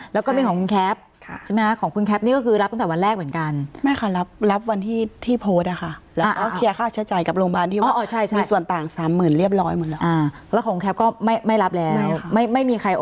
แล้วไม่รับแล้วถูกไหมคะไม่รับแล้วอ่าไม่ต้องใช้แล้วใช่